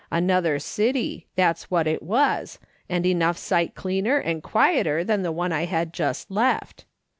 Another city, that's what it was, and enough sight cleaner and quieter than the one I had just left.